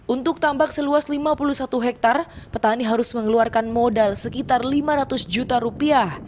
untuk tambak seluas lima puluh satu hektare petani harus mengeluarkan modal sekitar lima ratus juta rupiah